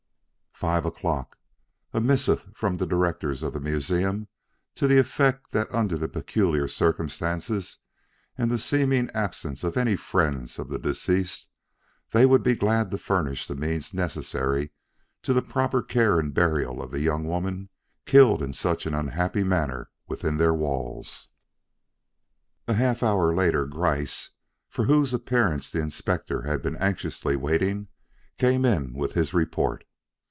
Five o'clock: a missive from the directors of the museum to the effect that under the peculiar circumstances and the seeming absence of any friends of the deceased, they would be glad to furnish the means necessary to the proper care and burial of the young woman killed in such an unhappy manner within their walls. A half hour later, Gryce, for whose appearance the Inspector had been anxiously waiting, came in with his report.